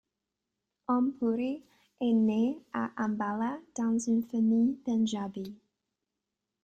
Om Puri est né à Ambala dans une famille pendjabi.